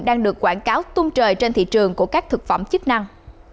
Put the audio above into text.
đang được quảng cáo tung trời trên thị trường của các thực phẩm chức năng